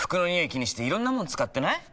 気にしていろんなもの使ってない？